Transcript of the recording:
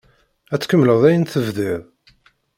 Ad tkemmleḍ ayen tebdiḍ?